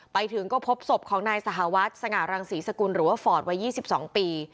ไปถึงก็พบศพของนายสหวัดสง่ารังศรีสกุลหรือว่าฟอร์ดวัย๒๒ปี